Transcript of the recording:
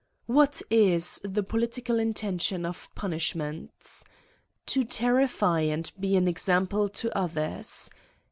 What is the political intention of punishments? To terrify and be an example to others.